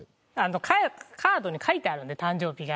カードに書いてあるんで誕生日が。